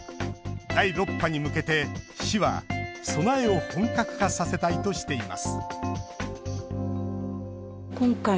第６波に向けて市は備えを本格化させたいとしています